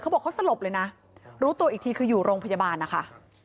บอกเขาสลบเลยนะรู้ตัวอีกทีคืออยู่โรงพยาบาลนะคะ